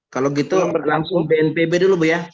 kalau gitu langsung bnpb dulu bu ya